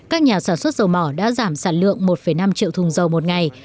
các nhà sản xuất dầu mỏ đã giảm sản lượng một năm triệu thùng dầu một ngày